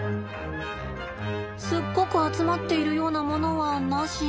すっごく集まっているようなものはなしと。